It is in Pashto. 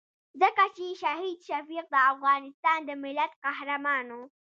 ځکه چې شهید شفیق د افغانستان د ملت قهرمان وو.